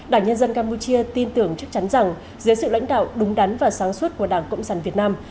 đảng nhân dân campuchia tin tưởng chắc chắn rằng dưới sự lãnh đạo đúng đắn và sáng suốt của đảng cộng sản việt nam